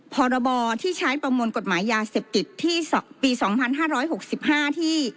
พรบที่ใช้ประมวลกฎหมายยาเสพติดที่ปีสองพันห้าร้อยหกสิบห้าที่